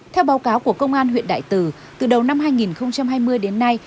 theo báo cáo của công an huyện đại từ từ đầu năm hai nghìn hai mươi đến nay